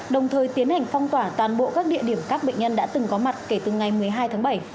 đồng thời tiến hành phong tỏa toàn bộ các địa điểm các bệnh nhân đã từng có mặt kể từ ngày một mươi hai tháng bảy